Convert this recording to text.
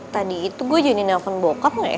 tadi itu gue jadi nelfon bokap gak ya